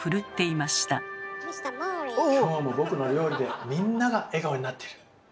今日も僕の料理でみんなが笑顔になってる。